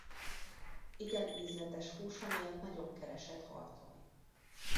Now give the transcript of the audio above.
Igen ízletes húsa miatt nagyon keresett halfaj.